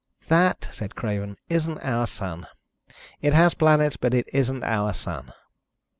"That," said Craven, "isn't our Sun. It has planets, but it isn't our Sun."